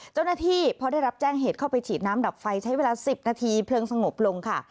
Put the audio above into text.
เจ้าหน้าที่พอได้รับแจ้งเหตุเข้าไปฉีดน้ำดับไฟใช้เวลา๑๐นาทีเพลิงสงบลงค่ะ